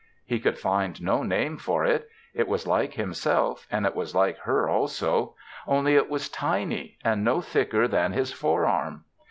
He could find no name for it. It was like himself and it was like her also, only it was tiny and no thicker than his fore arm.